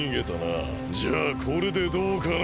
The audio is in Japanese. じゃあこれでどうかな？